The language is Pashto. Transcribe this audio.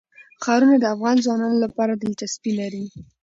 ښارونه د افغان ځوانانو لپاره دلچسپي لري.